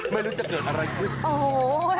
ไม่รู้จะเกิดอะไรขึ้น